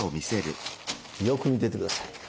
よく見てて下さい。